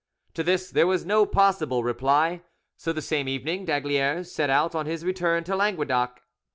To this there was no possible reply, so the same evening d'Aygaliers set out on his return to Languedoc.